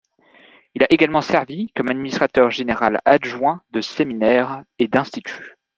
Il a également servi comme administrateur général adjoint de séminaires et d'instituts.